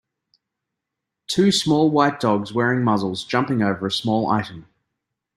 Two small white dogs wearing muzzles jumping over a small item.